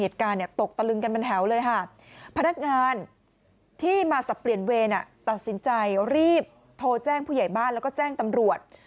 โทรแจ้งผู้ใหญ่บ้านแล้วก็แจ้งตำรวจ